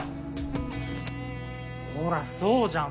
ほらそうじゃん